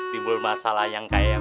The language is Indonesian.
timbul masalah yang kayak